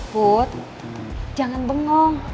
put jangan bengong